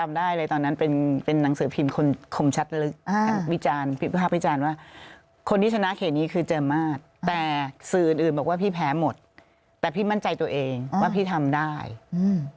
บอกว่าพี่แพ้หมดแต่พี่มั่นใจตัวเองว่าพี่ทำได้อืม